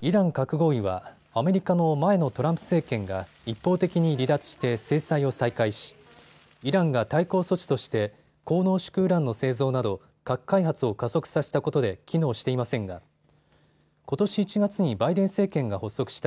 イラン核合意はアメリカの前のトランプ政権が一方的に離脱して制裁を再開しイランが対抗措置として高濃縮ウランの製造など核開発を加速させたことで機能していませんがことし１月にバイデン政権が発足した